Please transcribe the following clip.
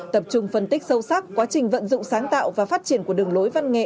tập trung phân tích sâu sắc quá trình vận dụng sáng tạo và phát triển của đường lối văn nghệ